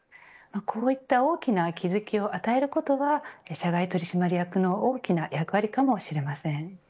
こういった大きな気付きを与えることは社外取締役の大きな役割かもしれません。